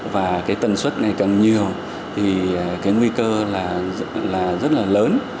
và cái tần suất này càng nhiều thì cái nguy cơ là rất là lớn